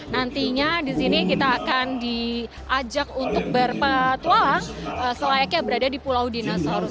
nantinya di sini kita akan diajak untuk berpetualang selayaknya berada di pulau dinosaurus